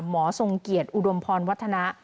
ทรงเกียรติอุดมพรวัฒนะ